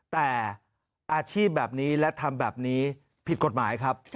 แต่อาชีพแบบนี้และทำแบบนี้ผิดกฎหมายครับ